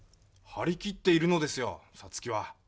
張り切っているのですよ皐月は。